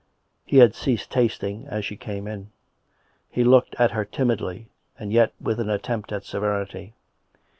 He had ceased tasting as she came in. He looked at her timidly and yet with an attempt at severity.